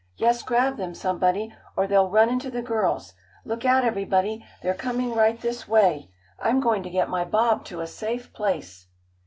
"Yes, grab them, somebody, or they'll run into the girls!" "Look out, everybody, they're coming right this way!" "I'm going to get my bob to a safe place!"